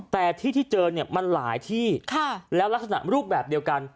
แต่ที่ที่เจอเนี่ยมันหลายที่แล้วลักษณะรูปแบบเดียวกัน